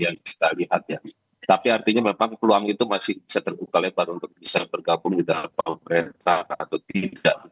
yang kita lihat ya tapi artinya memang peluang itu masih bisa terbuka lebar untuk bisa bergabung di dalam pemerintah atau tidak